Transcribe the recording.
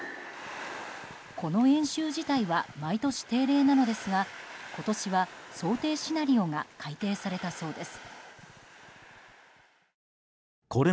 この演習自体は毎年定例なのですが今年は想定シナリオが改定されたそうです。